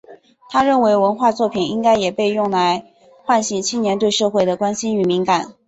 他认为文学作品应该也被用来唤醒青年对社会的关心与敏感。